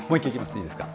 いいですか。